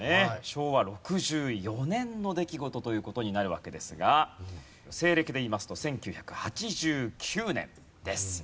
昭和６４年の出来事という事になるわけですが西暦でいいますと１９８９年です。